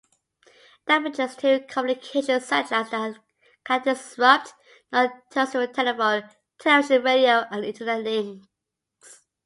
Damage to communications satellites can disrupt non-terrestrial telephone, television, radio and Internet links.